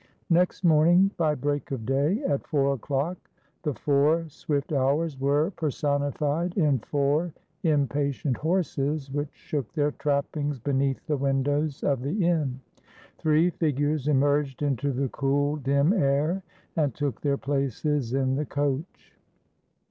Next morning, by break of day, at four o'clock, the four swift hours were personified in four impatient horses, which shook their trappings beneath the windows of the inn. Three figures emerged into the cool dim air and took their places in the coach.